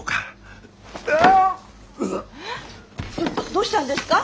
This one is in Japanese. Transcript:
どどうしたんですか？